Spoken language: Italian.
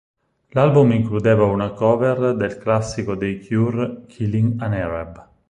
L'album includeva una cover del classico dei Cure "Killing an Arab".